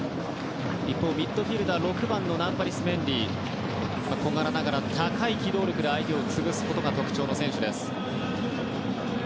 一方、ミッドフィールダー６番のナンパリス・メンディは小柄ながら、高い機動力で相手を潰すことが特徴の選手です。